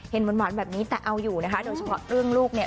หวานแบบนี้แต่เอาอยู่นะคะโดยเฉพาะเรื่องลูกเนี่ย